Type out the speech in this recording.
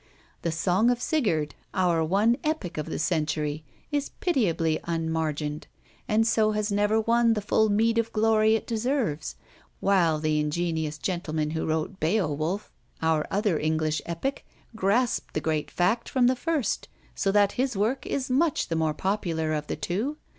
The song of Sigurd, our one epic of the century, is pitiably unmargined, and so has never won the full meed of glory it deserves; while the ingenious gentleman who wrote "Beowulf," our other English epic, grasped the great fact from the first, so that his work is much the more popular of the two.